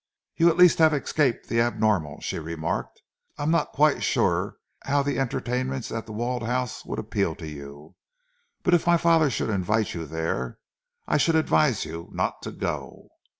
"You at least have escaped the abnormal," she remarked. "I am not quite sure how the entertainments at The Walled House would appeal to you, but if my father should invite you there, I should advise you not to go."